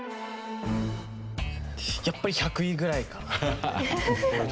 やっぱり１００位ぐらいかなって。